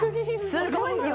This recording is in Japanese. すごい量。